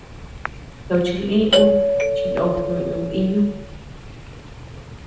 Tochi lï ú chindo juʼu diñu.